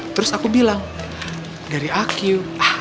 terus aku bilang dari aq